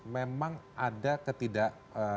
memang ada ketidak